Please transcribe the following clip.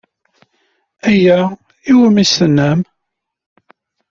Aya i ummesten-nnem.